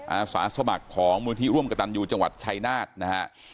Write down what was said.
อาสาสมัครของมูลที่ร่วมกระตันยูจังหวัดชายนาฏนะฮะ